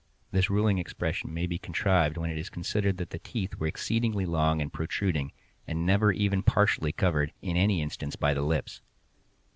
This ruling expression may be conceived when it is considered that the teeth were exceedingly long and protruding, and never even partially covered, in any instance, by the lips.